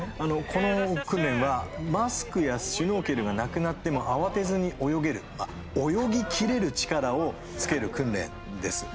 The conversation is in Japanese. この訓練は、マスクやシュノーケルがなくなっても慌てずに泳げる泳ぎきれる力をつける訓練です。